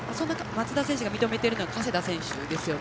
松田選手が認めているのは加世田選手ですよね。